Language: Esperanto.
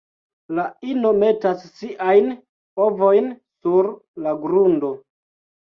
La ino metas siajn ovojn sur la grundo.